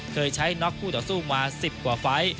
เคยใช้น็อกคู่ต่อสู้มา๑๐กว่าไฟล์